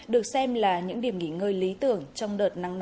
được xem là những điểm nghỉ ngơi lý tưởng